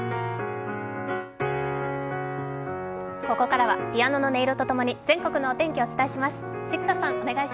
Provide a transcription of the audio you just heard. ここからはピアノの音色と共に全国のお天気をお伝えします。